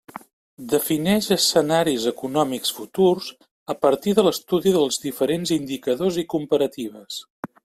Defineix escenaris econòmics futurs a partir de l'estudi dels diferents indicadors i comparatives.